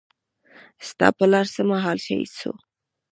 ستا پلار څه مهال شهيد سو.